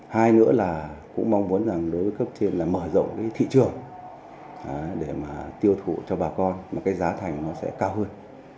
hai nữa là cũng mong muốn rằng đối với cấp trên là mở rộng cái thị trường để mà tiêu thụ cho bà con mà cái giá thành nó sẽ cao hơn